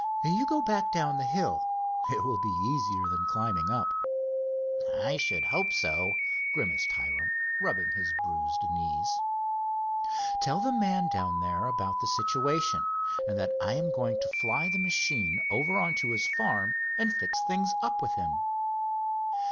"You go back down the hill—it will be easier than climbing up." "I should hope so," grimaced Hiram, rubbing his bruised knees. "Tell the man down there about the situation, and that I am going to fly the machine over onto his farm and fix things up with him."